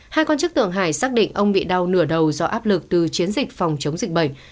hai quan chức thượng hải xác định ông bị đau nửa đầu do áp lực từ chiến dịch phòng chống dịch bệnh